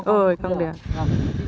ôi không được không được